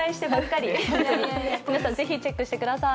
皆さん、ぜひチェックしてください。